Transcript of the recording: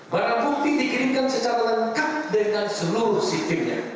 para bukti dikirimkan secara lengkap dengan seluruh sistemnya